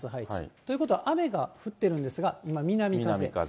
ということは、雨が降っているんですが、今南風。